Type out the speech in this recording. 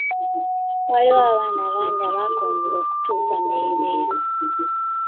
Waliwo abaana bangi abaakonziba n'okutuusa leero.